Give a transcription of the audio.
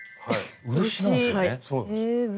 漆なんですね。